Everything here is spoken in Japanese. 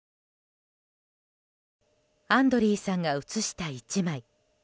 アンドリーさんが写した１枚。